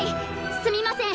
すみません！